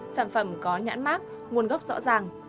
sản phẩm có nhãn mát nguồn gốc rõ ràng